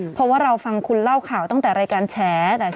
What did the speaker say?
เพราะว่าเราฟังคุณเล่าข่าวตั้งแต่รายการแชร์